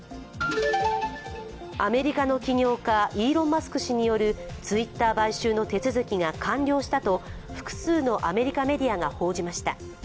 アメリカの起業家イーロン・マスク氏によるツイッター買収の手続きが完了したと複数のアメリカメディアが報じました。